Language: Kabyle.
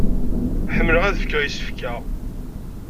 Ḥemmleɣ ad fkeɣ isefka.